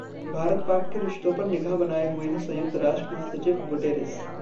भारत-पाक के रिश्तों पर निगाह बनाए हुए हैं सयुंक्त राष्ट्र महासचिव गुटेरेस